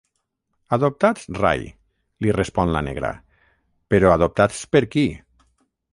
Adoptats rai —li respon la negra—, però adoptats per qui?